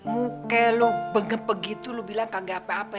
muka lo bengepe gitu lo bilang kagak apa apa ya